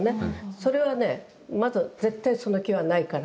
それはね「まず絶対その気はないからな。